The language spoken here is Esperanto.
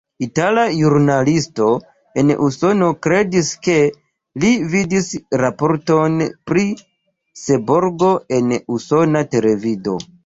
Itala ĵurnalisto en Usono kredis, ke li vidis raporton pri Seborgo en usona televido.